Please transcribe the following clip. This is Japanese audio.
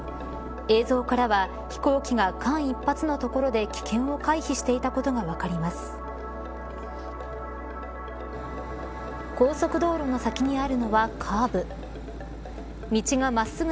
映像からは飛行機が間一髪のところで危険を回避していたことが分かります。